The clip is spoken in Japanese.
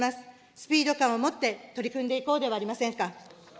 スピード感を持って取り組んでいこうではありませんか。